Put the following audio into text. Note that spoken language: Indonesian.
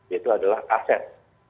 yaitu adalah aset